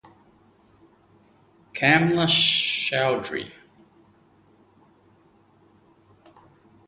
Kamla Chaudhry.